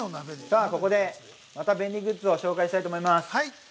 さあ、ここで、また便利グッズを紹介したいと思います。